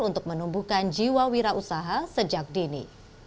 untuk menumbuhkan jiwa wira usaha sejak dini